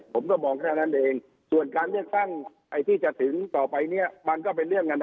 ผมก็มองแหละนั่นเอง